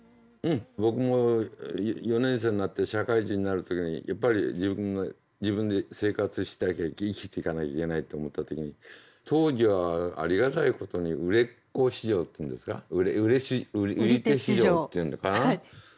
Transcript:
僕も４年生になって社会人になる時にやっぱり自分で生活しなきゃ生きていかなきゃいけないと思った時に当時はありがたいことに売れっ子市場というんですか売手市場っていうのか。